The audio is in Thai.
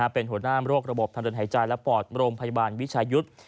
เป็นหัวหน้ามโรคระบบทางเดินหายใจและปอดโรงพยาบาลวิชายุทธ์